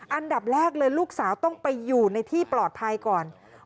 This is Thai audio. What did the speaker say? อันดับแรกเลยลูกสาวต้องไปอยู่ในที่ปลอดภัยก่อน